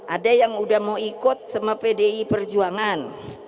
ada yang udah mau ikut sama pdi perjuangan